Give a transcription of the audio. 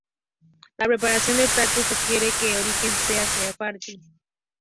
La preparación del plato sugiere que su origen sea sefardí.